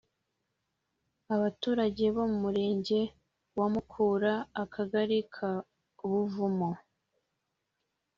Abaturage bo mu murenge wa Mukura Akagari ka Buvumo